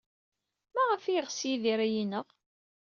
Maɣef ay yeɣs Yidir ad aɣ-ineɣ?